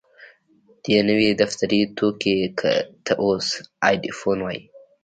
دې نوي دفتري توکي ته اوس ايډيفون وايي.